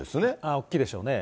大きいでしょうね。